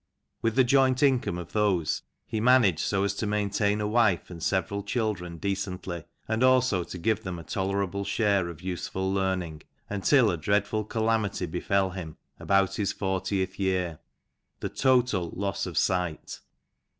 With the joint income of those, he managed 80 as to maintain a wife and several children decently, and also to give them a tolerable share '•! useful learning, until a dreadful calamity befel him, about his fortieth year: the total loss of sight.